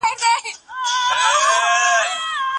ما تېره بېګا یو ګټور نرمغالی په خپل موبایل کي انسټال کړی و.